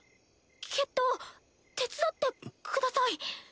決闘手伝ってください。